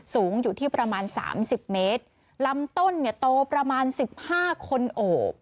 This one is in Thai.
สูงอยู่ที่ประมาณสามสิบเมตรลำต้นเนี่ยโตประมาณสิบห้าคนโอบ